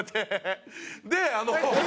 であの。